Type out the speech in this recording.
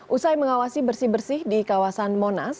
usai mengawasi bersih bersih di kawasan monas